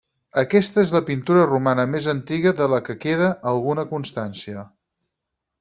Aquesta és la pintura romana més antiga de la que queda alguna constància.